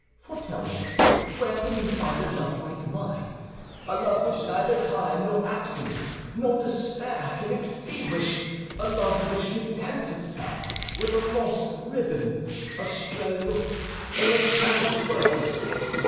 For tell me, where can you find a love like mine—a love which neither time, nor absence, nor despair can extinguish, a love which contents itself with a lost ribbon, a stray look, or a chance word?